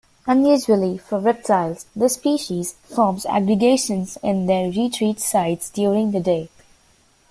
Unusually for reptiles, this species forms aggregations in their retreat sites during the day.